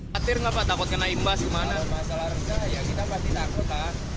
pasti resah juga kalau kejadian kayak gitu takutnya dia kan buat yang gak